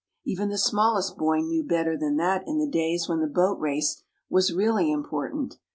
Even the smallest boy knew better than that in the days when the Boat Race was really important.